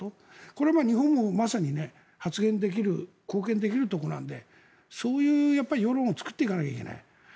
これは日本も発言できる貢献できるところなのでそういう世論を作っていかないといけない。